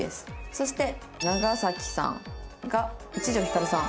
そして長さんが一条ヒカルさん。